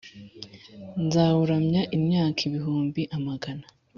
Nzawuramya imyaka ibihumbi amagana